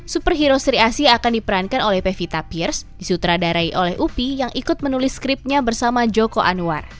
superhero sri asi akan diperankan oleh pevita pierce disutradarai oleh upi yang ikut menulis skripnya bersama joko anwar